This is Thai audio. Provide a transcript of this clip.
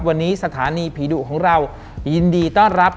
วันนี้สถานีผีดุของเรายินดีต้อนรับ